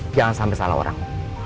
jangan sampai salah orang